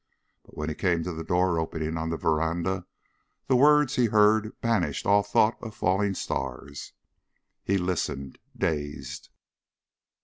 But when he came to the door opening on the veranda the words he heard banished all thought of falling stars. He listened, dazed.